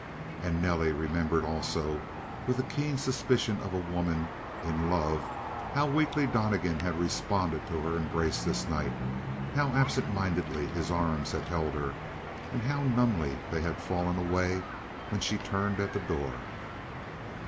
And Nelly remembered, also, with the keen suspicion of a woman in love how weakly Donnegan had responded to her embrace this night. How absent mindedly his arms had held her, and how numbly they had fallen away when she turned at the door.